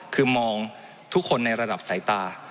คือมองทุกคนในระดับสายตา